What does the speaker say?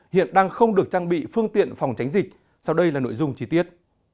hiện đang không được trang bị phương tiện phòng tránh dịch sau đây là nội dung chi tiết